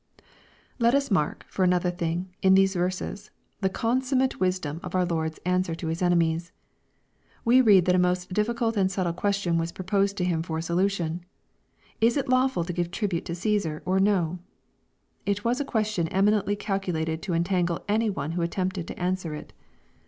Let us mark, for another thing, in these verses, the consummate wisdom of our Lord's answer to His enemies. We read that a most difficult and subtle question was proposed to Him for solution. " Is it lawful to give tribute to CsBsar or no ?" It was a question eminently calculated to entangle any one who attempted to answer it.